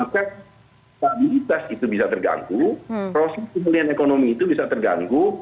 maka stabilitas itu bisa terganggu proses pemulihan ekonomi itu bisa terganggu